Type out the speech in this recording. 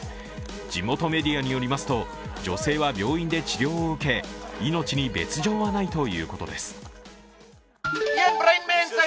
地元メディアによりますと、女性は病院で治療を受け命に別状はないということです。